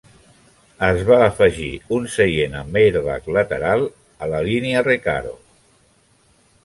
Es va afegir un seient amb airbag lateral a la línia Recaro.